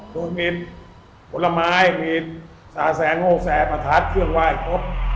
โดยมีผลไม้มีน๓แสน๖แสนประทัดเครื่องไหว้ครบ